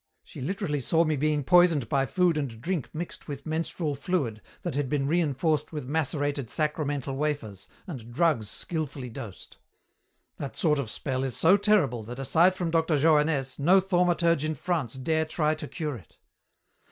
She literally saw me being poisoned by food and drink mixed with menstrual fluid that had been reinforced with macerated sacramental wafers and drugs skilfully dosed. That sort of spell is so terrible that aside from Dr. Johannès no thaumaturge in France dare try to cure it.